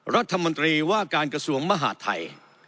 รัฐมนตรีว่าการกระทรวงมหาดไทย